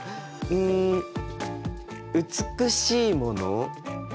うん美しいもの？